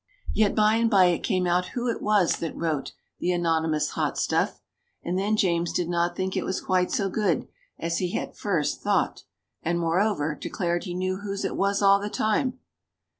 Yet, by and by, it came out who it was that wrote the anonymous "hot stuff," and then James did not think it was quite so good as he at first thought, and moreover, declared he knew whose it was all the time.